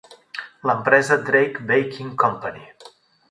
L'empresa Drake Baking Company.